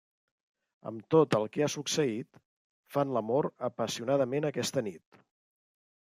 Amb tot el que ha succeït, fan l'amor apassionadament aquesta nit.